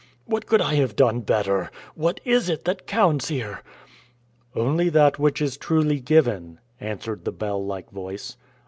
What could I have done better? What is it that counts here?" "Only that which is truly given," answered the bell like voice.